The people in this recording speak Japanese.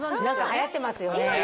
何かはやってますよね